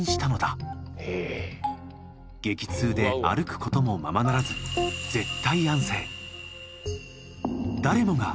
激痛で歩くこともままならず絶対安静。